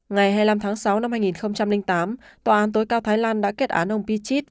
ngày hai mươi năm tháng sáu năm hai nghìn tám tòa án tối cao thái lan đã kết án ông pichit